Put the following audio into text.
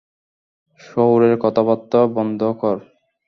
শহুরের কথা-বার্তা বন্ধ কর।